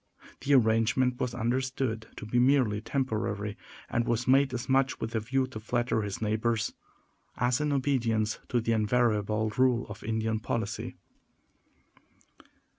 The arrangement was understood to be merely temporary, and was made as much with a view to flatter his neighbors as in obedience to the invariable rule of Indian policy.